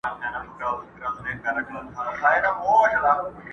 بېخبره مي هېر کړي نعمتونه!!